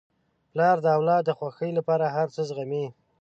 پلار د اولاد د خوښۍ لپاره هر څه زغمي.